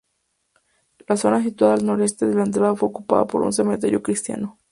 La zona situada al noreste de la entrada fue ocupada por un cementerio cristiano.